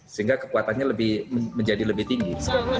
sehingga kekuatannya menjadi lebih tinggi